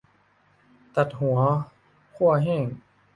ตัดหัวคั่วแห้ง